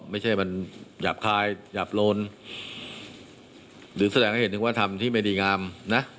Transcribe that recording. ไม่ใช่มันหยาบคายหยาบโลนหรือแสดงให้เห็นถึงว่าทำที่ไม่ดีงามนะ